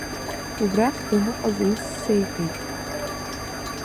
Убрахь даныҟаз ус сеиҳәеит.